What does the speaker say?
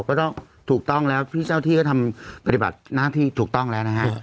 ก็ต้องถูกต้องแล้วพี่เจ้าที่ก็ทำปฏิบัติหน้าที่ถูกต้องแล้วนะฮะ